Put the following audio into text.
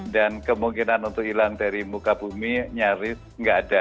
dan kemungkinan untuk hilang dari muka bumi nyaris tidak ada